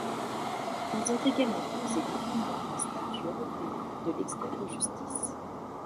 Ils ont également posé les fondements d’un statut européen de l’expert de justice.